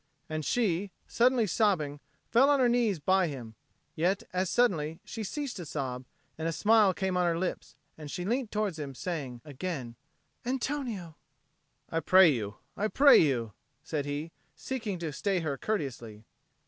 And she, suddenly sobbing, fell on her knees by him; yet, as suddenly, she ceased to sob, and a smile came on her lips, and she leant towards him, saying again, "Antonio." "I pray you, I pray you," said he, seeking to stay her courteously.